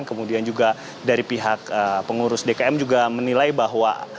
kemudian juga dari pihak pengurus dkm juga menilai bahwa